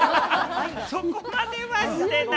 そこまではしてない。